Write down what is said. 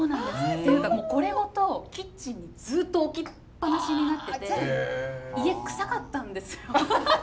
というかこれごとキッチンにずっと置きっ放しになってて家クサかったんですよ。